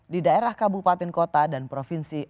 di daerah kabupaten kota dan provinsi